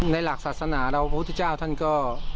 หลักศาสนาเราพระพุทธเจ้าท่านก็